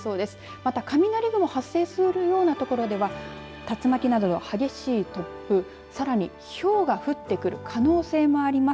また雷雲が発生するような所では竜巻などの激しい突風さらにひょうが降ってくる可能性もあります。